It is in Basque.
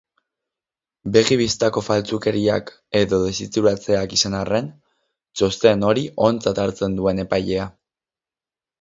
Begi-bistako faltsukeriak edo desitxuratzeak izan arren, txosten hori ontzat hartzen duen epailea.